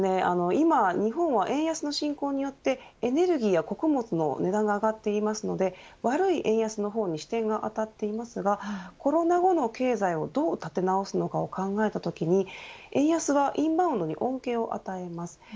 今、日本は円安の進行によってエネルギーや穀物の値段が上がっているので悪い円安の方に視点が当たっていますがコロナ後の経済をどう建て直すかを考えたとき円安はインバウンドに恩恵を与えます。